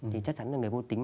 thì chắc chắn là người vô tính